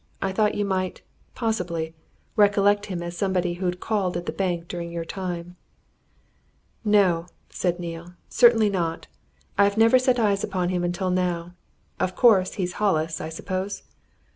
"I thought you might possibly recollect him as somebody who'd called at the bank during your time." "No!" said Neale. "Certainly not! I've never set eyes on him until now. Of course, he's Hollis, I suppose?"